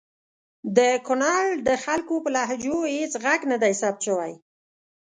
د کنړ د خلګو په لهجو هیڅ ږغ ندی ثبت سوی!